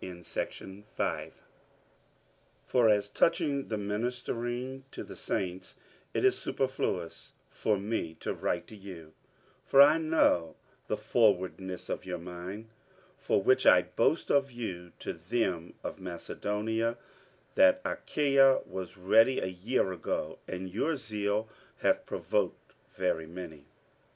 47:009:001 For as touching the ministering to the saints, it is superfluous for me to write to you: 47:009:002 For I know the forwardness of your mind, for which I boast of you to them of Macedonia, that Achaia was ready a year ago; and your zeal hath provoked very many.